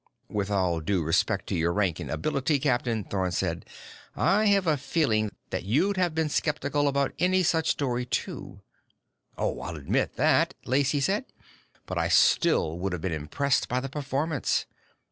"With all due respect to your rank and ability, captain," Thorn said, "I have a feeling that you'd have been skeptical about any such story, too." "Oh, I'll admit that," Lacey said. "But I still would have been impressed by the performance."